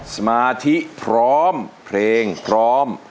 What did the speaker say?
สมาธิพร้อมเพลงพร้อม